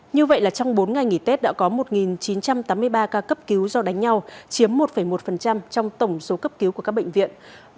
như vậy là trong bốn ngày nghỉ tết đã có một chín trăm tám mươi ba ca cấp cứu do đánh nhau chiếm một một trong tổng số cấp cứu của các bệnh viện